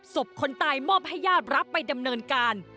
คนตายมอบให้ญาติรับไปดำเนินการ